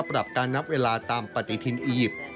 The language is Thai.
ปรับการนับเวลาตามปฏิทินอียิปต์